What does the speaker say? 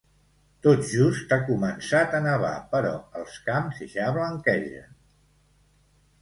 Tot just ha començat a nevar, però els camps ja blanquegen.